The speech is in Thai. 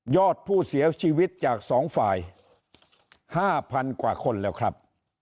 อดผู้เสียชีวิตจาก๒ฝ่าย๕๐๐๐กว่าคนแล้วครับ